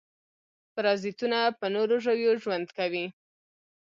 پرازیتونه په نورو ژویو ژوند کوي